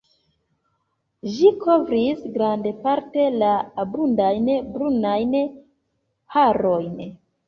Ĝi kovris grandparte la abundajn brunajn harojn.